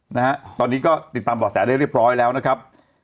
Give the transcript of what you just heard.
นะฮะตอนนี้ก็ติดตามบ่อแสได้เรียบร้อยแล้วนะครับ